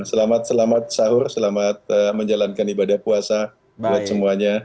selamat selamat sahur selamat menjalankan ibadah puasa buat semuanya